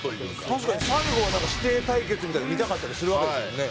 確かに最後はなんか師弟対決みたいなの見たかったりするわけですもんね。